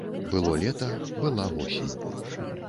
Было лета, была восень.